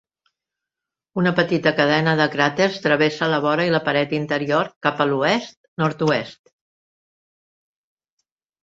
Una petita cadena de cràters travessa la vora i la paret interior cap a l'oest-nord-oest.